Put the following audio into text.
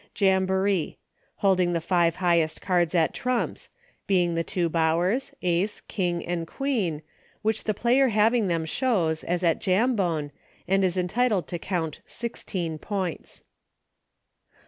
Jamboree. Holding the five highest cards at trumps, being the two Bowers, Ace, King, and Queen, which the player having them shows, as at Jambone, and is entitled to count sixteen points.